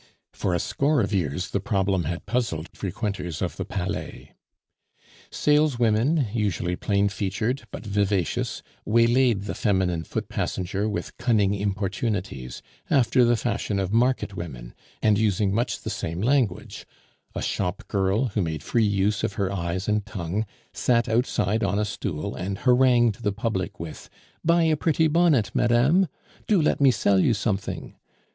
for a score of years the problem had puzzled frequenters of the Palais. Saleswomen, usually plain featured, but vivacious, waylaid the feminine foot passenger with cunning importunities, after the fashion of market women, and using much the same language; a shop girl, who made free use of her eyes and tongue, sat outside on a stool and harangued the public with "Buy a pretty bonnet, madame? Do let me sell you something!"